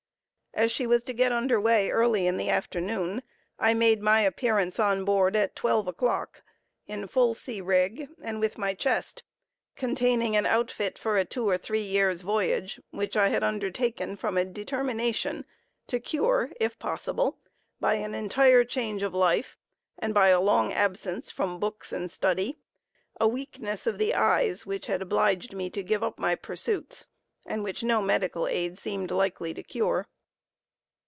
As she was to get under way early in the afternoon, I made my appearance on board at twelve o'clock in full sea rig, and with my chest, containing an outfit for a two or three years' voyage, which I had undertaken from a determination to cure, if possible, by an entire change of life, and by a long absence from books and study, a weakness of the eyes, which had obliged me to give up my pursuits, and which no medical aid seemed likely to cure.